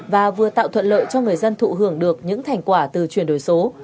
và vừa tạo thuận lợi cho người dân thụ hưởng được những thành quả từ chuyển đổi số